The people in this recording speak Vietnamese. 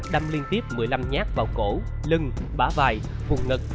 đâm liên tiếp một mươi năm nhát vào cổ lưng bả vai vùng ngực